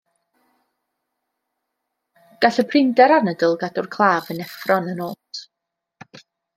Gall y prinder anadl gadw'r claf yn effro yn y nos.